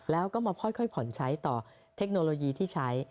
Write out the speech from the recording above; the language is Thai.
แล้วก็มาค่อยผ่อนใช้ต่อเทคโนโลยีที่ใช้